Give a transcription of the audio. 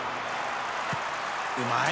うまい！